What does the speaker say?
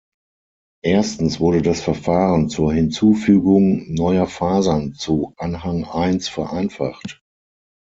Erstens wurde das Verfahren zur Hinzufügung neuer Fasern zu Anhang I vereinfacht.